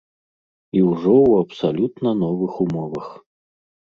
І ўжо ў абсалютна новых умовах.